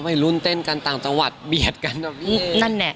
ไปรุนเต้นกันต่างตะวัดเบียดกันนะพี่เอ๋